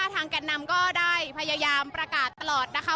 แก่นนำก็ได้พยายามประกาศตลอดนะคะ